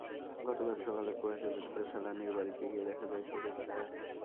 গতকাল সকালে কুয়াশা ভেদ করে ফেলানীর বাড়িতে গিয়ে দেখা যায়, শোকের ছায়া।